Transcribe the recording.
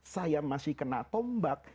saya masih kena tombak